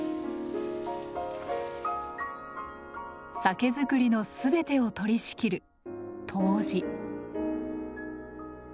酒造りのすべてを取り仕切る杜氏。